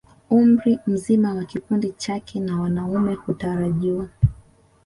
Umri mzima wa kikundi chake na wanaume hutarajiwa